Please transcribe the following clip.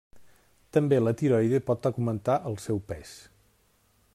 També la tiroide pot augmentar el seu pes.